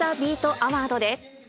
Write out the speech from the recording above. アワードです。